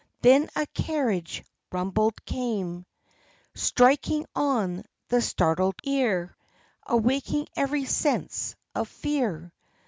Then a carriage rumbling came, Striking on the startled ear, Awakening every sense of fear.